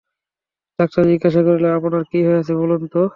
Doctor জিজ্ঞাসা করিল, আপনার কী হইয়াছে বলুন তো।